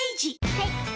はい。